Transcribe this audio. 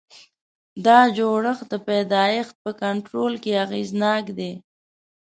دا جوړښت د پیدایښت په کنټرول کې اغېزناک دی.